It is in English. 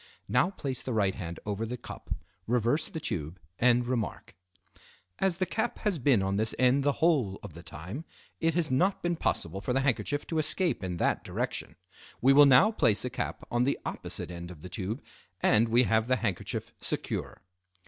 Now place the right hand over the cup, reverse the tube, and remark:— "As the cap has been on this end the whole of the time, it has not been possible for the handkerchief to escape in that direction. We will now place a cap on the opposite end of the tube and we have the handkerchief secure."